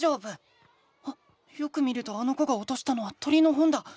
心の声あっよく見るとあの子がおとしたのは鳥の本だ！